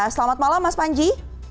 selamat malam mas panji